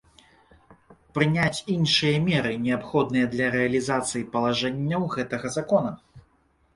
Прыняць iншыя меры, неабходныя для рэалiзацыi палажэнняў гэтага Закона.